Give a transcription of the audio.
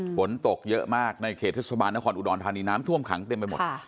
ฝนตกเยอะมากในเขตเทศบาลนครอุดรธานีน้ำท่วมขังเต็มไปหมด